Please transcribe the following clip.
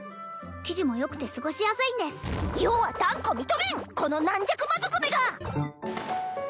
生地もよくて過ごしやすいんです余は断固認めんこの軟弱魔族めが！